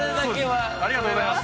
ありがとうございます。